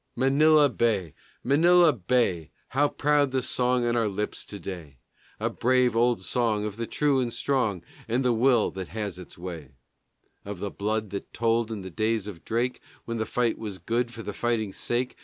Manila Bay! Manila Bay! How proud the song on our lips to day! A brave old song of the true and strong, And the will that has its way; Of the blood that told in the days of Drake When the fight was good for the fighting's sake!